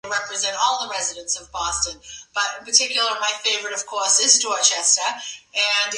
The evening had been a success, filled with good food, great company, and laughter.